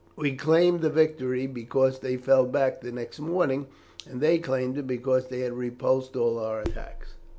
We claimed the victory, because they fell back the next morning, and they claimed it because they had repulsed all our attacks.